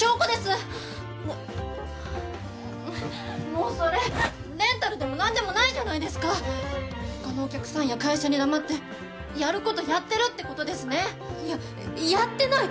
もうそれレンタルでも何でもないじゃないですかほかのお客さんや会社に黙ってやることやってるってことですねややってない！